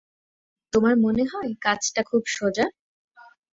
তোমার মনে হয় কাজটা খুব সোজা?